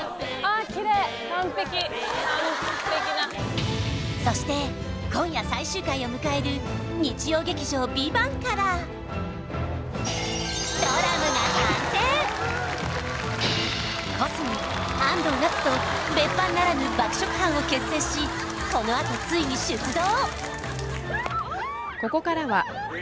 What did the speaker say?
完璧なそして今夜最終回を迎える日曜劇場「ＶＩＶＡＮＴ」から小杉安藤なつと別班ならぬ爆食班を結成しこのあとついに出動！